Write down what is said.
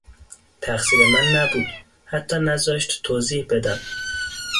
تقصیر من نبود، حتی نذاشت توضیح بدم